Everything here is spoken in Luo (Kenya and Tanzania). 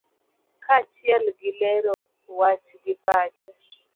kaachiel gi lero wach gi pache